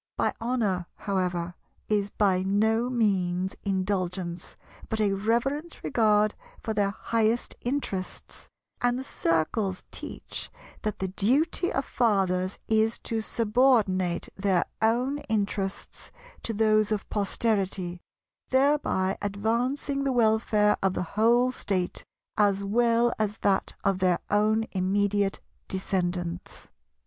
By "honour," however, is by no means mean "indulgence," but a reverent regard for their highest interests: and the Circles teach that the duty of fathers is to subordinate their own interests to those of posterity, thereby advancing the welfare of the whole State as well as that of their own immediate descendants.